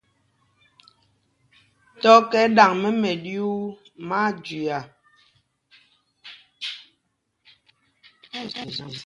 Tɔ̄ kɛ ɗaŋ mɛ́ mɛɗyuu, má á jüia.